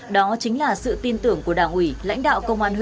đó chính là sự tin tưởng của đảng ủy lãnh đạo của trung tá hà thị lan